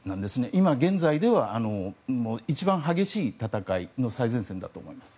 今現在では一番激しい戦いの最前線だと思います。